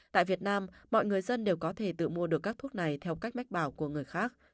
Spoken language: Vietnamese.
tại việt nam mọi người dân đều có thể tự mua được các thuốc này theo cách mách bảo của người khác